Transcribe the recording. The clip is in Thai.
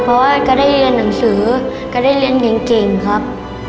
เพราะว่าก็ได้เรียนหนังสือก็ได้เรียนเก่งครับ